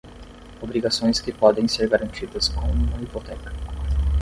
Obrigações que podem ser garantidas com uma hipoteca.